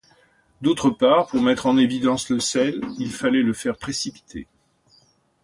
D'autre part pour mettre en évidence le sel, il fallait le faire précipiter.